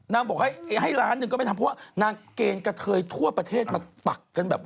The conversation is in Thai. บอกให้ล้านหนึ่งก็ไม่ทำเพราะว่านางเกณฑ์กระเทยทั่วประเทศมาปักกันแบบ